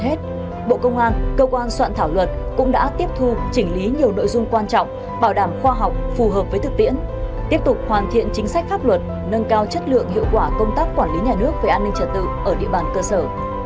trước hết bộ công an cơ quan soạn thảo luật cũng đã tiếp thu chỉnh lý nhiều nội dung quan trọng bảo đảm khoa học phù hợp với thực tiễn tiếp tục hoàn thiện chính sách pháp luật nâng cao chất lượng hiệu quả công tác quản lý nhà nước về an ninh trật tự ở địa bàn cơ sở